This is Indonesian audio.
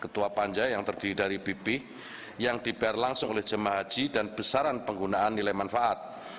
ketua panja yang terdiri dari bp yang dibayar langsung oleh jemaah haji dan besaran penggunaan nilai manfaat